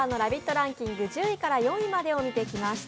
ランキング、１０位から４位までを見てきました。